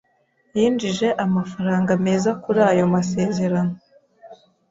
yinjije amafaranga meza kuri ayo masezerano.